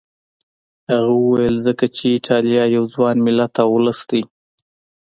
هغه وویل ځکه چې ایټالیا یو ځوان ملت او ولس دی.